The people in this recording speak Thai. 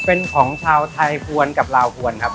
เป็นของชาวไทยพวนกับลาวพวนครับ